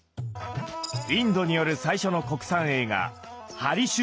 インドによる最初の国産映画「ハリシュチャンドラ王」。